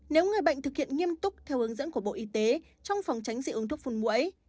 nếu người bệnh thực hiện nghiêm túc theo hướng dẫn của bộ y tế trong phòng tránh dị ứng thuốc phun mũi